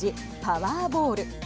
パワーボール。